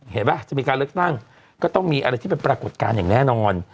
ป่ะจะมีการเลือกตั้งก็ต้องมีอะไรที่เป็นปรากฏการณ์อย่างแน่นอน